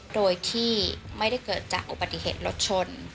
โดยที่ไม่ได้เกิดจากอุบัติเหตุรถชน